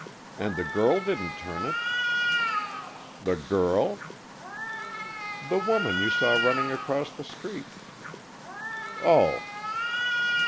And the girl didn't turn it, " "The girl?" "The woman you saw running across the street." "Oh!"